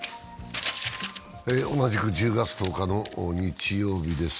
同じく１０月１０日の日曜日です。